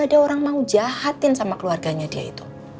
ada orang mau jahatin sama keluarganya dia itu